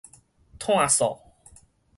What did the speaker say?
炭素